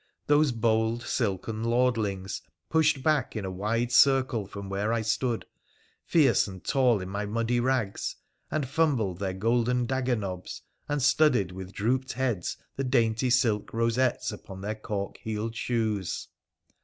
Those bold, silken lordlings pushed back in a wide circle from where I stood, fierce and tall in my muddy rags, and fumbled their golden dagger knobs, and studied with drooped heads the dainty silk rosettes upon their cork heeled shoes.